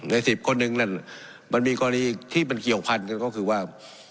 ใน๑๐คนหนึ่งนั่นมันมีกรณีที่มันเกี่ยวพันกันก็คือว่า